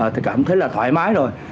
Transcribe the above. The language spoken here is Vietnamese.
thì cảm thấy là thoải mái rồi